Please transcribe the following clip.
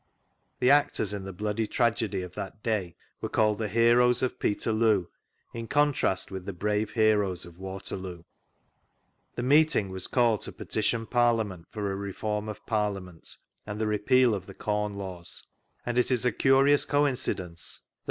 The actors in the bloody tragedy of that day were called " The Heroes of Peterloo," in contrast with the brave heroes (rf Waterloo. This meeting was called to petition Parliament for a Reform of Parliament and the Repeal td the Com Laws, and it is a curious coincidence that ■V Google MR.